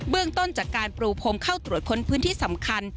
เรื่องต้นจากการปรูพรมเข้าตรวจค้นพื้นที่สำคัญ